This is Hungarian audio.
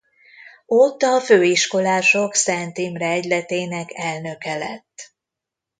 Ott a főiskolások Szent Imre Egyletének elnöke lett.